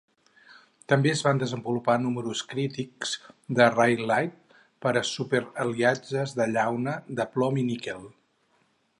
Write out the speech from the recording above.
També es van desenvolupar números crítics de Rayleigh per a súper aliatges de llauna de plom i níquel.